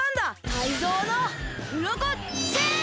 タイゾウのウロコチェーン！